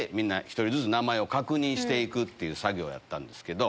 １人ずつ名前を確認して行く作業やったんですけど。